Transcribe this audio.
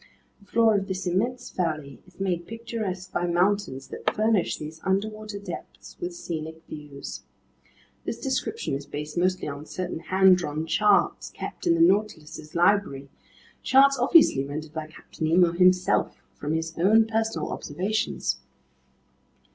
The floor of this immense valley is made picturesque by mountains that furnish these underwater depths with scenic views. This description is based mostly on certain hand drawn charts kept in the Nautilus's library, charts obviously rendered by Captain Nemo himself from his own personal observations.